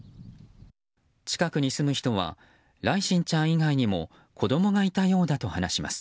近くに住む人は來心ちゃん以外にも子供がいたようだと話します。